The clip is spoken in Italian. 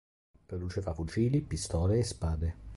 Produceva fucili, pistole e spade.